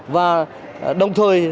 và đồng thời